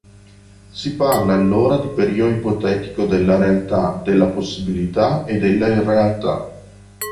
Si parla allora di periodo ipotetico della realtà, della possibilità e della irrealtà.